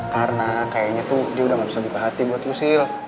karena kayaknya tuh dia udah gak bisa buka hati buat lusil